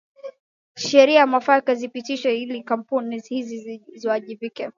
Sheria mwafaka zipitishwe ili kampuni hizi ziwajibike